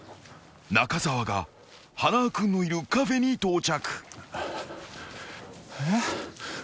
［中澤が花輪君のいるカフェに到着］